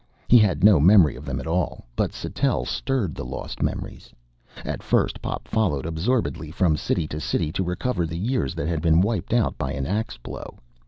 He had no memory of them at all. But Sattell stirred the lost memories. At first Pop followed absorbedly from city to city, to recover the years that had been wiped out by an axe blow.